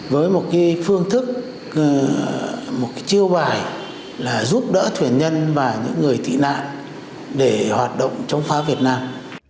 với một phương thức một chiêu bài là giúp đỡ thuyền nhân và những người tị nạn để hoạt động chống phá việt nam